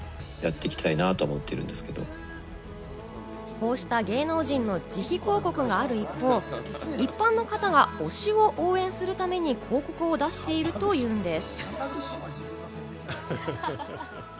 こうした芸能人の自費広告がある一方、一般の方が推しを応援するために広告を出しているというんです。